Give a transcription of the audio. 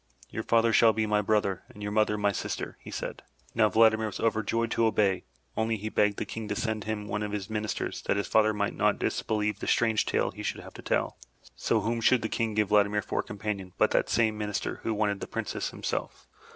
"Your father shall be my brother, your mother my sister," he said. Now Vladimir was overjoyed to obey, only he begged the King to send with him one of his Ministers that his father might not disbelieve the strange tale he should have to tell. So whom should the King give Vladimir for companion, but that same Minister who wanted the Princess himself.